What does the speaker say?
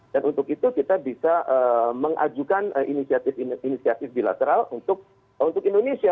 dan untuk itu kita bisa mengajukan inisiatif inisiatif bilateral untuk indonesia